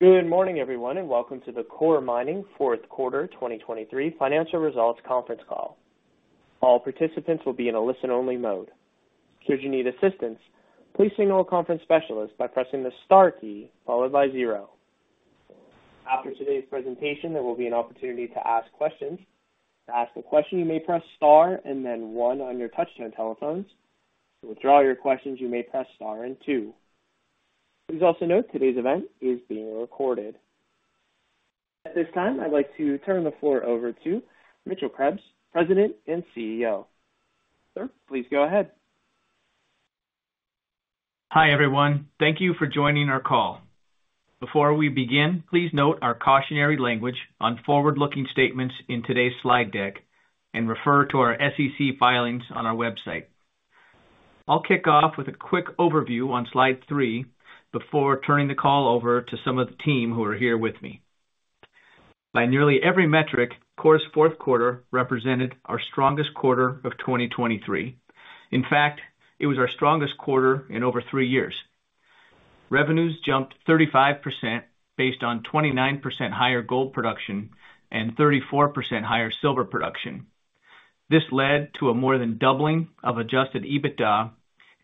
Good morning, everyone, and welcome to the Coeur Mining fourth quarter 2023 financial results conference call. All participants will be in a listen-only mode. Should you need assistance, please signal a conference specialist by pressing the star key followed by zero. After today's presentation, there will be an opportunity to ask questions. To ask a question, you may press star and then one on your touchscreen telephones. To withdraw your questions, you may press star and two. Please also note today's event is being recorded. At this time, I'd like to turn the floor over to Mitchell Krebs, President and CEO. Sir, please go ahead. Hi everyone. Thank you for joining our call. Before we begin, please note our cautionary language on forward-looking statements in today's slide deck and refer to our SEC filings on our website. I'll kick off with a quick overview on slide three before turning the call over to some of the team who are here with me. By nearly every metric, Coeur's fourth quarter represented our strongest quarter of 2023. In fact, it was our strongest quarter in over three years. Revenues jumped 35% based on 29% higher gold production and 34% higher silver production. This led to a more than doubling of Adjusted EBITDA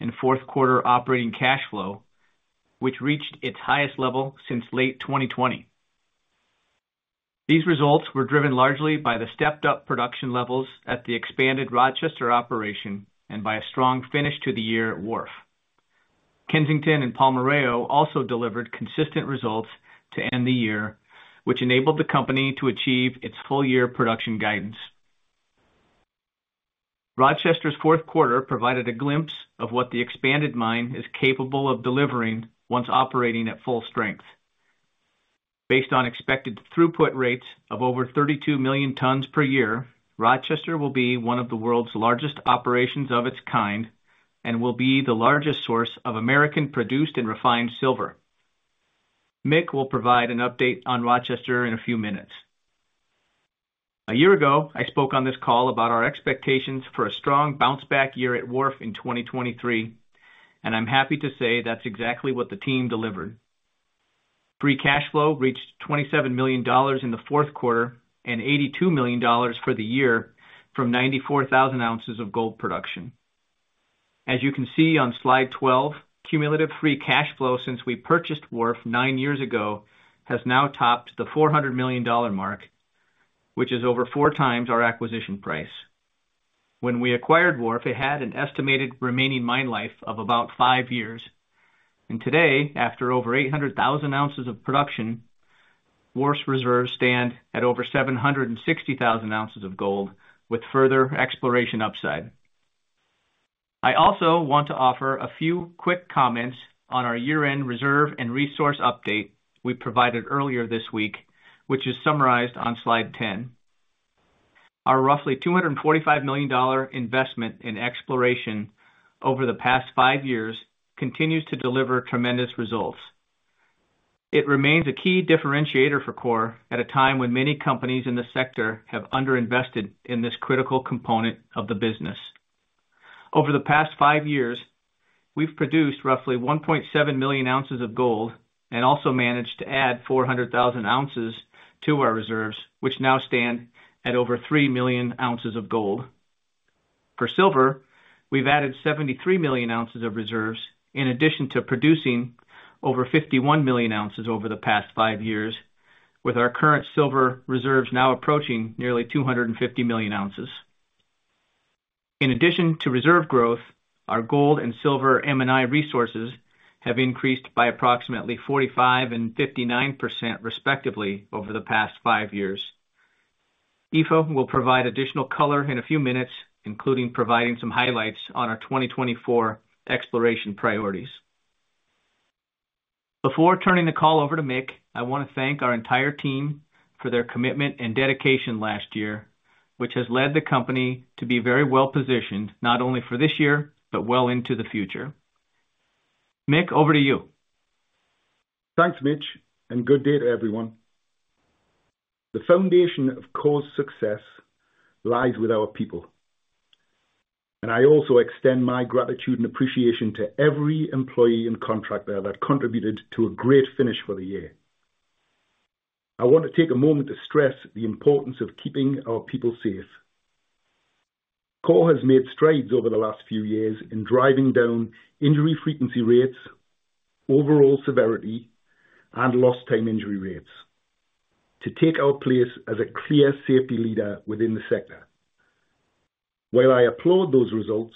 and fourth quarter operating cash flow, which reached its highest level since late 2020. These results were driven largely by the stepped-up production levels at the expanded Rochester operation and by a strong finish to the year at Wharf. Kensington and Palmarejo also delivered consistent results to end the year, which enabled the company to achieve its full-year production guidance. Rochester's fourth quarter provided a glimpse of what the expanded mine is capable of delivering once operating at full strength. Based on expected throughput rates of over 32 million tons per year, Rochester will be one of the world's largest operations of its kind and will be the largest source of American-produced and refined silver. Mick will provide an update on Rochester in a few minutes. A year ago, I spoke on this call about our expectations for a strong bounce-back year at Wharf in 2023, and I'm happy to say that's exactly what the team delivered. Free cash flow reached $27 million in the fourth quarter and $82 million for the year from 94,000 ounces of gold production. As you can see on slide 12, cumulative free cash flow since we purchased Wharf nine years ago has now topped the $400 million mark, which is over four times our acquisition price. When we acquired Wharf, it had an estimated remaining mine life of about five years. Today, after over 800,000 ounces of production, Wharf's reserves stand at over 760,000 ounces of gold with further exploration upside. I also want to offer a few quick comments on our year-end reserve and resource update we provided earlier this week, which is summarized on slide 10. Our roughly $245 million investment in exploration over the past five years continues to deliver tremendous results. It remains a key differentiator for Coeur at a time when many companies in the sector have underinvested in this critical component of the business. Over the past five years, we've produced roughly 1.7 million ounces of gold and also managed to add 400,000 ounces to our reserves, which now stand at over three million ounces of gold. For silver, we've added 73 million ounces of reserves in addition to producing over 51 million ounces over the past five years, with our current silver reserves now approaching nearly 250 million ounces. In addition to reserve growth, our gold and silver M&I resources have increased by approximately 45% and 59%, respectively, over the past five years. Aoife will provide additional color in a few minutes, including providing some highlights on our 2024 exploration priorities. Before turning the call over to Mick, I want to thank our entire team for their commitment and dedication last year, which has led the company to be very well-positioned not only for this year but well into the future. Mick, over to you. Thanks, Mitch, and good day to everyone. The foundation of Coeur's success lies with our people, and I also extend my gratitude and appreciation to every employee and contractor that contributed to a great finish for the year. I want to take a moment to stress the importance of keeping our people safe. Coeur has made strides over the last few years in driving down injury frequency rates, overall severity, and lost-time injury rates to take our place as a clear safety leader within the sector. While I applaud those results,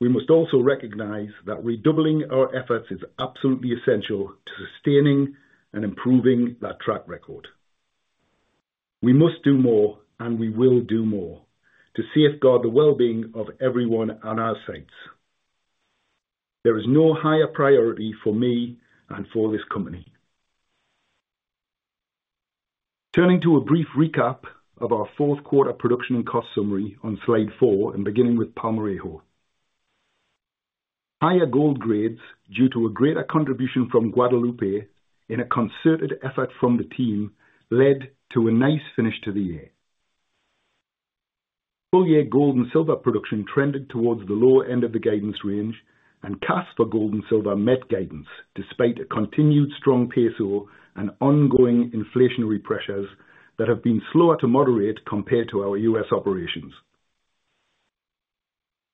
we must also recognize that redoubling our efforts is absolutely essential to sustaining and improving that track record. We must do more, and we will do more, to safeguard the well-being of everyone on our sites. There is no higher priority for me and for this company. Turning to a brief recap of our fourth quarter production and cost summary on slide four and beginning with Palmarejo. Higher gold grades due to a greater contribution from Guadalupe in a concerted effort from the team led to a nice finish to the year. Full-year gold and silver production trended towards the lower end of the guidance range, and CAS for gold and silver met guidance despite a continued strong peso and ongoing inflationary pressures that have been slower to moderate compared to our U.S. operations.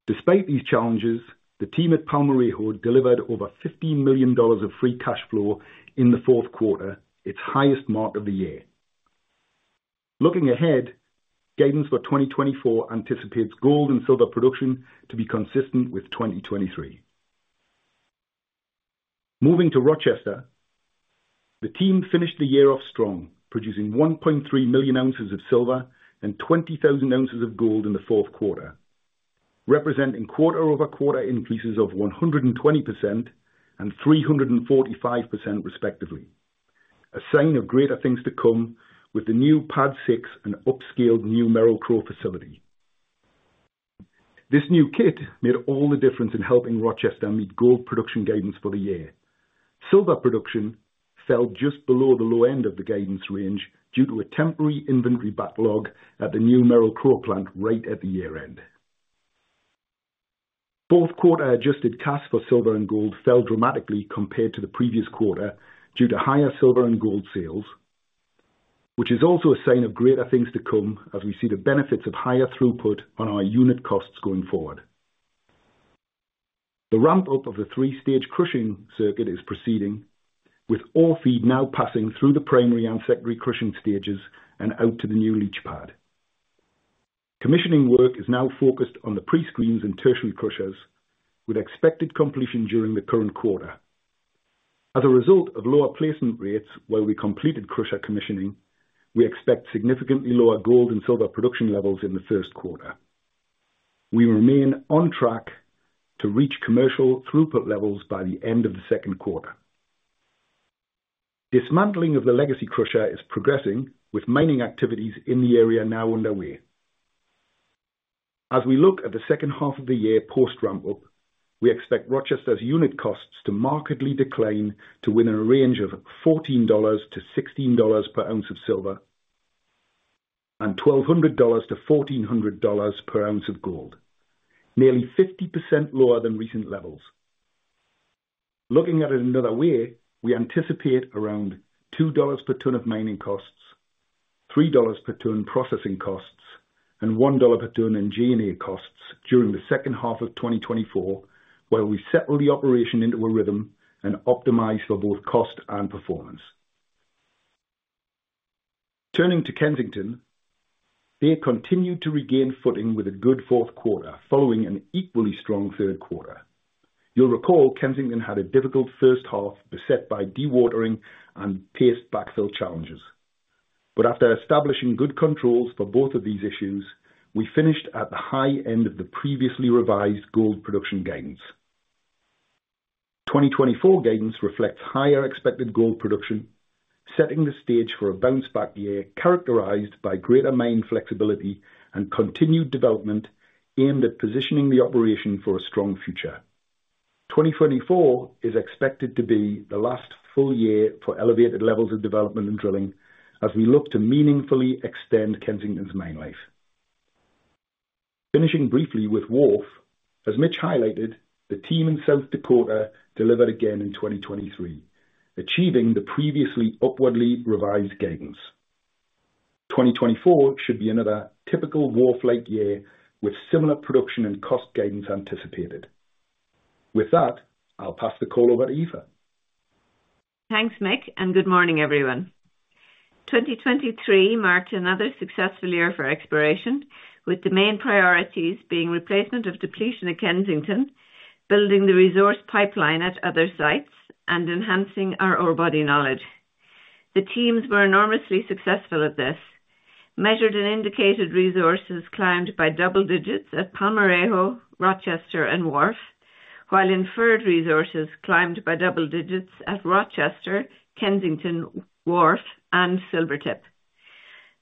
Despite these challenges, the team at Palmarejo delivered over $50 million of free cash flow in the fourth quarter, its highest mark of the year. Looking ahead, guidance for 2024 anticipates gold and silver production to be consistent with 2023. Moving to Rochester, the team finished the year off strong, producing 1.3 million ounces of silver and 20,000 ounces of gold in the fourth quarter, representing QoQ increases of 120% and 345%, respectively, a sign of greater things to come with the new Pad 6 and upscaled new Merrill-Crowe facility. This new kit made all the difference in helping Rochester meet gold production guidance for the year. Silver production fell just below the low end of the guidance range due to a temporary inventory backlog at the new Merrill-Crowe plant right at the year-end. Fourth quarter Adjusted CAS for silver and gold fell dramatically compared to the previous quarter due to higher silver and gold sales, which is also a sign of greater things to come as we see the benefits of higher throughput on our unit costs going forward. The ramp-up of the three-stage crushing circuit is proceeding, with all feed now passing through the primary and secondary crushing stages and out to the new leach pad. Commissioning work is now focused on the prescreens and tertiary crushers, with expected completion during the current quarter. As a result of lower placement rates while we completed crusher commissioning, we expect significantly lower gold and silver production levels in the first quarter. We remain on track to reach commercial throughput levels by the end of the second quarter. Dismantling of the legacy crusher is progressing, with mining activities in the area now underway. As we look at the second half of the year post-ramp-up, we expect Rochester's unit costs to markedly decline to within a range of $14-$16 per ounce of silver and $1,200-$1,400 per ounce of gold, nearly 50% lower than recent levels. Looking at it another way, we anticipate around $2 per ton of mining costs, $3 per ton processing costs, and $1 per ton in G&A costs during the second half of 2024 while we settle the operation into a rhythm and optimize for both cost and performance. Turning to Kensington, they continued to regain footing with a good fourth quarter following an equally strong third quarter. You'll recall Kensington had a difficult first half beset by dewatering and paste backfill challenges. But after establishing good controls for both of these issues, we finished at the high end of the previously revised gold production guidance. 2024 guidance reflects higher expected gold production, setting the stage for a bounce-back year characterized by greater mine flexibility and continued development aimed at positioning the operation for a strong future. 2024 is expected to be the last full year for elevated levels of development and drilling as we look to meaningfully extend Kensington's mine life. Finishing briefly with Wharf, as Mitch highlighted, the team in South Dakota delivered again in 2023, achieving the previously upwardly revised guidance. 2024 should be another typical Wharf-like year with similar production and cost guidance anticipated. With that, I'll pass the call over to Aoife McGrath. Thanks, Mick, and good morning, everyone. 2023 marked another successful year for exploration, with the main priorities being replacement of depletion at Kensington, building the resource pipeline at other sites, and enhancing our ore body knowledge. The teams were enormously successful at this, Measured and Indicated Resources climbed by double digits at Palmarejo, Rochester, and Wharf, while Inferred Resources climbed by double digits at Rochester, Kensington, Wharf, and Silvertip.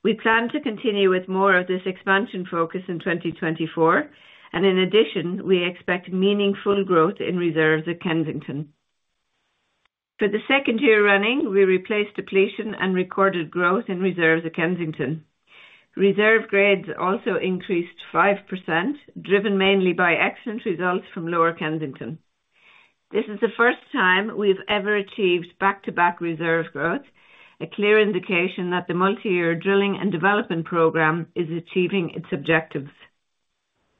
We plan to continue with more of this expansion focus in 2024, and in addition, we expect meaningful growth in reserves at Kensington. For the second year running, we replaced depletion and recorded growth in reserves at Kensington. Reserve grades also increased 5%, driven mainly by excellent results from Lower Kensington. This is the first time we've ever achieved back-to-back reserve growth, a clear indication that the multi-year drilling and development program is achieving its objectives.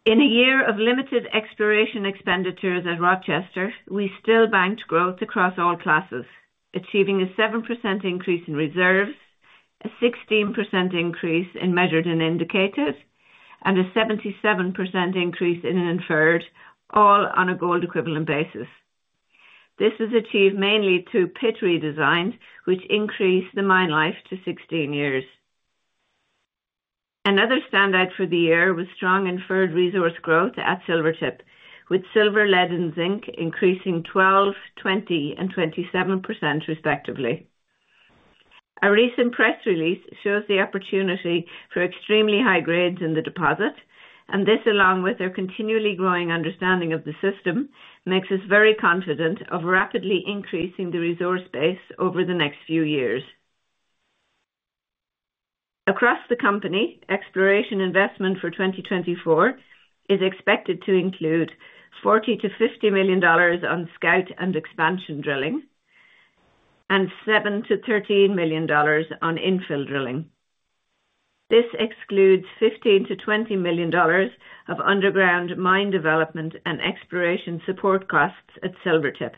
In a year of limited exploration expenditures at Rochester, we still banked growth across all classes, achieving a 7% increase in reserves, a 16% increase in Measured and Indicated, and a 77% increase in inferred, all on a gold equivalent basis. This was achieved mainly through pit redesigns, which increased the mine life to 16 years. Another standout for the year was strong inferred resource growth at Silvertip, with silver, lead, and zinc increasing 12%, 20%, and 27%, respectively. A recent press release shows the opportunity for extremely high grades in the deposit, and this, along with their continually growing understanding of the system, makes us very confident of rapidly increasing the resource base over the next few years. Across the company, exploration investment for 2024 is expected to include $40-$50 million on scout and expansion drilling and $7-$13 million on infill drilling. This excludes $15 million-$20 million of underground mine development and exploration support costs at Silvertip.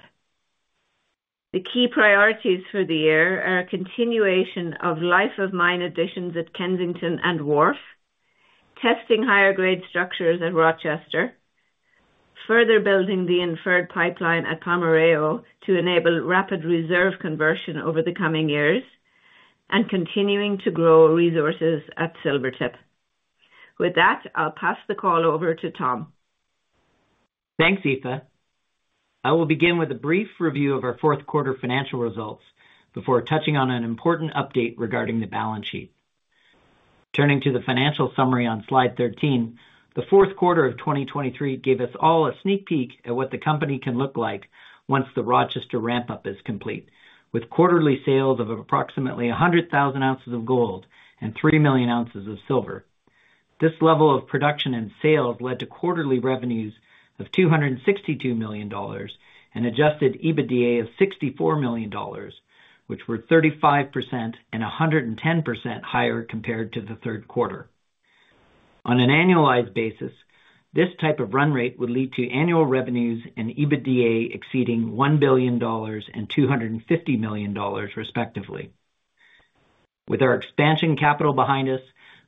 The key priorities for the year are a continuation of life-of-mine additions at Kensington and Wharf, testing higher-grade structures at Rochester, further building the inferred pipeline at Palmarejo to enable rapid reserve conversion over the coming years, and continuing to grow resources at Silvertip. With that, I'll pass the call over to Tom. Thanks, Aoife. I will begin with a brief review of our fourth quarter financial results before touching on an important update regarding the balance sheet. Turning to the financial summary on slide 13, the fourth quarter of 2023 gave us all a sneak peek at what the company can look like once the Rochester ramp-up is complete, with quarterly sales of approximately 100,000 ounces of gold and three million ounces of silver. This level of production and sales led to quarterly revenues of $262 million and Adjusted EBITDA of $64 million, which were 35% and 110% higher compared to the third quarter. On an annualized basis, this type of run rate would lead to annual revenues and EBITDA exceeding $1 billion and $250 million, respectively. With our expansion capital behind us,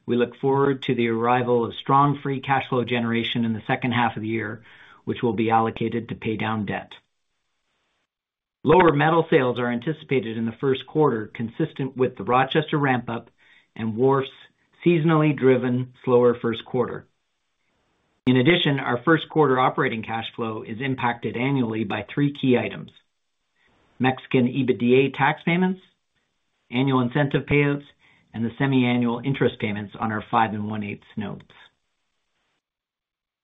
we look forward to the arrival of strong free cash flow generation in the second half of the year, which will be allocated to pay down debt. Lower metal sales are anticipated in the first quarter, consistent with the Rochester ramp-up and Wharf's seasonally driven slower first quarter. In addition, our first quarter operating cash flow is impacted annually by three key items: Mexican EBITDA tax payments, annual incentive payouts, and the semi-annual interest payments on our 5 1/8 notes.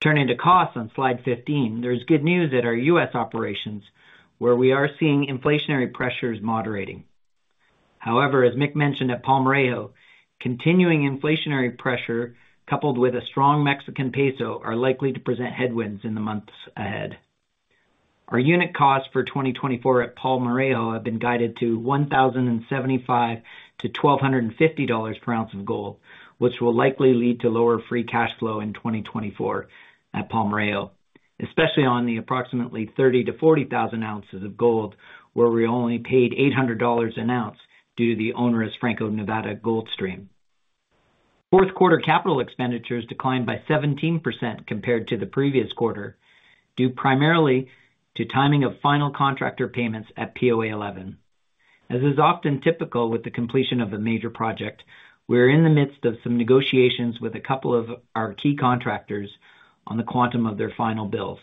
Turning to costs on slide 15, there is good news at our U.S. operations, where we are seeing inflationary pressures moderating. However, as Mick mentioned at Palmarejo, continuing inflationary pressure coupled with a strong Mexican peso are likely to present headwinds in the months ahead. Our unit costs for 2024 at Palmarejo have been guided to $1,075-$1,250 per ounce of gold, which will likely lead to lower free cash flow in 2024 at Palmarejo, especially on the approximately 30,000 to 40,000 ounces of gold where we only paid $800 an ounce due to the onerous Franco-Nevada gold stream. Fourth quarter capital expenditures declined by 17% compared to the previous quarter due primarily to timing of final contractor payments at POA 11. As is often typical with the completion of a major project, we are in the midst of some negotiations with a couple of our key contractors on the quantum of their final bills.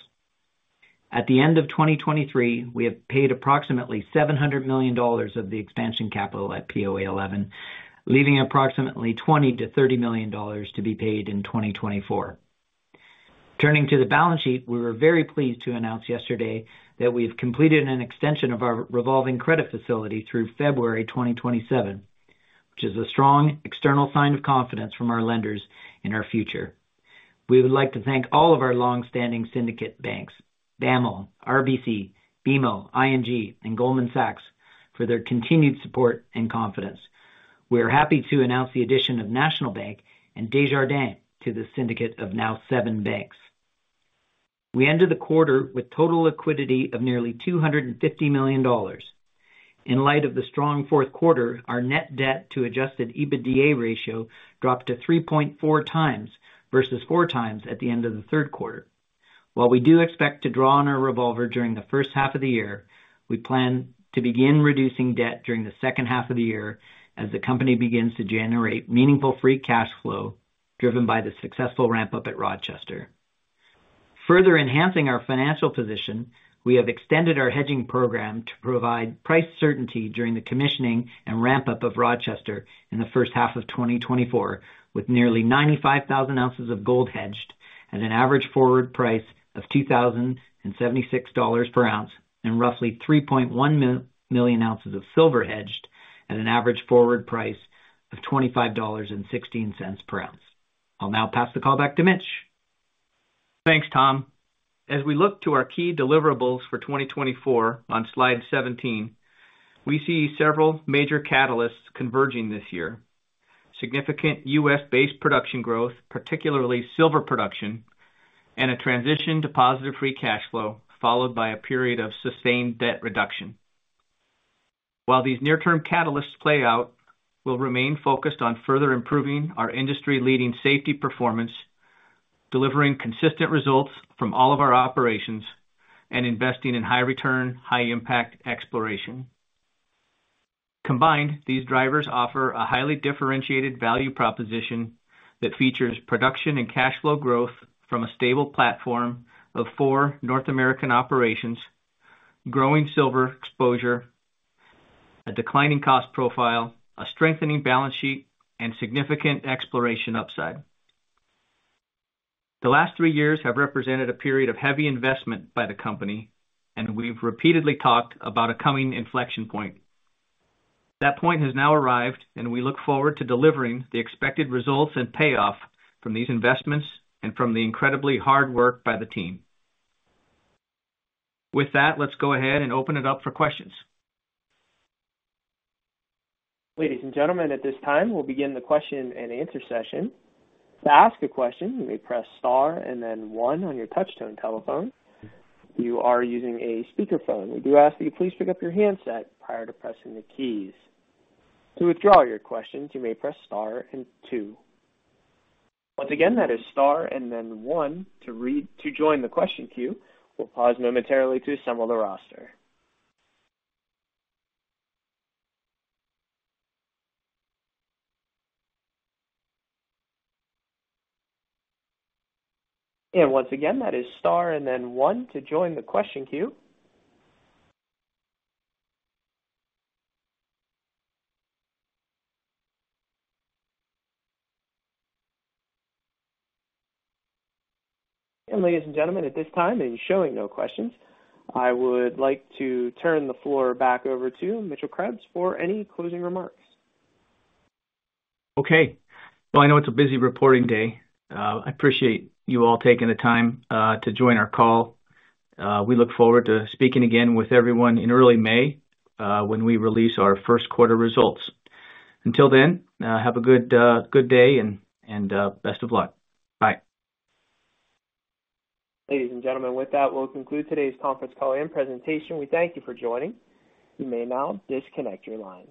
At the end of 2023, we have paid approximately $700 million of the expansion capital at POA 11, leaving approximately $20-$30 million to be paid in 2024. Turning to the balance sheet, we were very pleased to announce yesterday that we have completed an extension of our revolving credit facility through February 2027, which is a strong external sign of confidence from our lenders in our future. We would like to thank all of our long-standing syndicate banks, BAML, RBC, BMO, ING, and Goldman Sachs, for their continued support and confidence. We are happy to announce the addition of National Bank and Desjardins to the syndicate of now seven banks. We ended the quarter with total liquidity of nearly $250 million. In light of the strong fourth quarter, our net debt to Adjusted EBITDA ratio dropped to 3.4 times versus four times at the end of the third quarter. While we do expect to draw on our revolver during the first half of the year, we plan to begin reducing debt during the second half of the year as the company begins to generate meaningful free cash flow driven by the successful ramp-up at Rochester. Further enhancing our financial position, we have extended our hedging program to provide price certainty during the commissioning and ramp-up of Rochester in the first half of 2024, with nearly 95,000 ounces of gold hedged at an average forward price of $2,076 per ounce and roughly 3.1 million ounces of silver hedged at an average forward price of $25.16 per ounce. I'll now pass the call back to Mitch. Thanks, Tom. As we look to our key deliverables for 2024 on slide 17, we see several major catalysts converging this year: significant U.S.-based production growth, particularly silver production, and a transition to positive Free Cash Flow followed by a period of sustained debt reduction. While these near-term catalysts play out, we'll remain focused on further improving our industry-leading safety performance, delivering consistent results from all of our operations, and investing in high-return, high-impact exploration. Combined, these drivers offer a highly differentiated value proposition that features production and cash flow growth from a stable platform of four North American operations, growing silver exposure, a declining cost profile, a strengthening balance sheet, and significant exploration upside. The last three years have represented a period of heavy investment by the company, and we've repeatedly talked about a coming inflection point. That point has now arrived, and we look forward to delivering the expected results and payoff from these investments and from the incredibly hard work by the team. With that, let's go ahead and open it up for questions. Ladies and gentlemen, at this time, we'll begin the question and answer session. To ask a question, you may press star and then one on your touch-tone telephone. If you are using a speakerphone, we do ask that you please pick up your handset prior to pressing the keys. To withdraw your questions, you may press star and two. Once again, that is star and then one to join the question queue. We'll pause momentarily to assemble the roster. Once again, that is star and then one to join the question queue. Ladies and gentlemen, at this time, and showing no questions, I would like to turn the floor back over to Mitchell Krebs for any closing remarks. Okay. Well, I know it's a busy reporting day. I appreciate you all taking the time to join our call. We look forward to speaking again with everyone in early May when we release our first quarter results. Until then, have a good day and best of luck. Bye. Ladies and gentlemen, with that, we'll conclude today's conference call and presentation. We thank you for joining. You may now disconnect your lines.